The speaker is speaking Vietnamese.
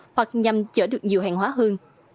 hoặc nhằm chở được nhiều hàng hóa hơn